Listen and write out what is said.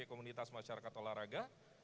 komunitas masyarakat olahraga